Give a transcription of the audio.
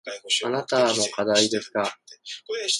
あなたも課題ですか。